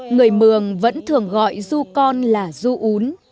người mường vẫn thường gọi ru con là ru út